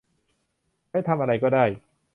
ใช้ทำอะไรก็ได้